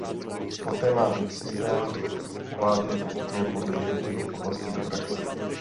Poté má být systém uváděn postupně podle jednotlivých oblastí do praxe.